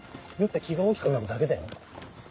酔って気が大きくなるだけだよ。